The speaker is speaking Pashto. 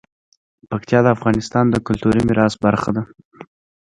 پکتیا د افغانستان د کلتوري میراث برخه ده.